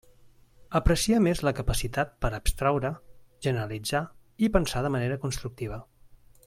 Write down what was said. Aprecia més la capacitat per a abstraure, generalitzar i pensar de manera constructiva.